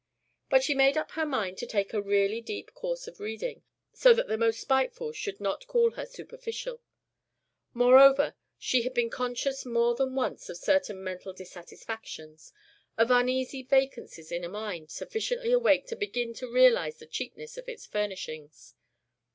She made up her mind to take a really deep course of reading, so that the most spiteful should not call her superficial; moreover, she had been conscious more than once of certain mental dissatisfactions, of uneasy vacancies in a mind sufficiently awake to begin to realise the cheapness of its furnishings.